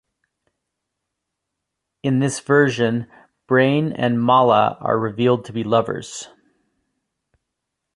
In this version, Brain and Mallah are revealed to be lovers.